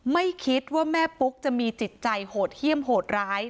ไม่คิดว่าแม่ปุ๊กจะมีจิตใจโหดเยี่ยมโหดร้าย